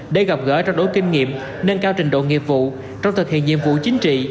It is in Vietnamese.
đây gặp gỡ cho đối kinh nghiệm nâng cao trình độ nghiệp vụ trong thực hiện nhiệm vụ chính trị